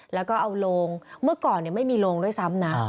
แล้วก็เอาโลงเมื่อก่อนไม่มีโรงด้วยซ้ำนะ